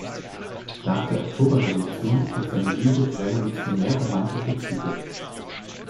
Nach der Oktoberrevolution trug seine Lyrik revolutionär-romantische Züge.